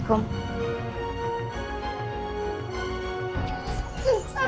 bapak sudah selesai kak